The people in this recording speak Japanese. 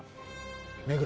目黒？